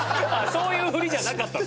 そういうふりじゃなかった。